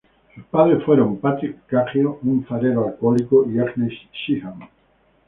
Sus padres fueron Patrick Cahill, un farero alcohólico, y Agnes Sheehan.